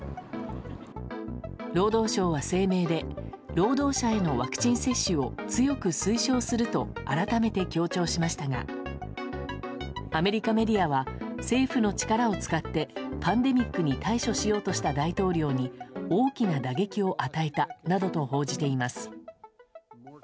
労働省は、声明で労働者へのワクチン接種を強く推奨すると改めて強調しましたがアメリカメディアは政府の力を使ってパンデミックに対処しようとした大統領に大きな打撃を与えたなどと報じています。